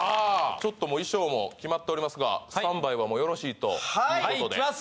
ちょっともう衣装も決まっておりますがスタンバイはもうよろしいということではいいきます